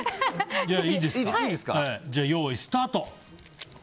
用意、スタート！